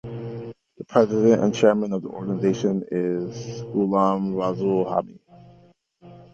The president and chairman of the organisation is "Ghulam Rasool Hami".